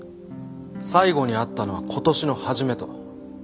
最後に会ったのは今年の初めと。